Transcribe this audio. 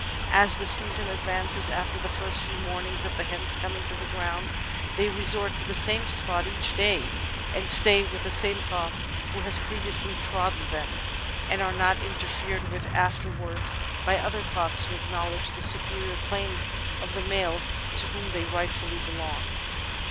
As the season advances, after the first few mornings of the hens coming to the ground, they resort to the same spot each day and stay with the same cock who has previously trodden them, and are not interfered with after wards by other cocks, who acknowledge the superior claims of the male to whom they rightfully belong."